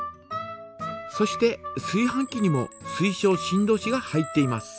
そしてすい飯器にも水晶振動子が入っています。